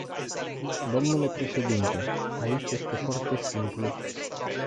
Domnule președinte, aici este foarte simplu.